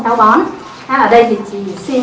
tao bóng ở đây thì chị xin